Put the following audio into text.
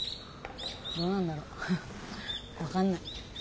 どうなんだろ分かんない。